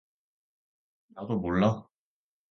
나도 몰라.